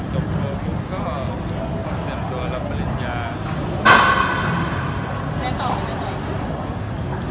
จบโดยมุมก็ต้องเตรียมตัวแล้วผลิตยา